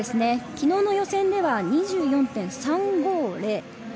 昨日の予選では２４．３５０。